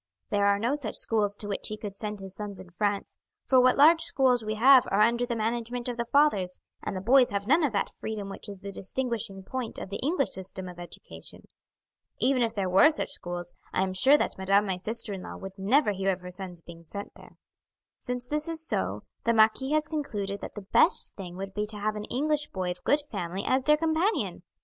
There are no such schools to which he could send his sons in France, for what large schools we have are under the management of the fathers, and the boys have none of that freedom which is the distinguishing point of the English system of education. Even if there were such schools, I am sure that madame my sister in law would never hear of her sons being sent there. "Since this is so, the marquis has concluded that the best thing would be to have an English boy of good family as their companion.